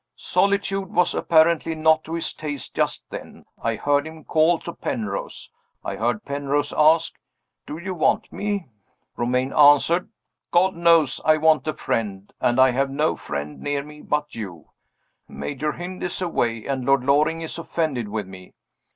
Solitude was apparently not to his taste just then. I heard him call to Penrose. I heard Penrose ask: "Do you want me?" Romayne answered: "God knows I want a friend and I have no friend near me but you! Major Hynd is away, and Lord Loring is offended with me."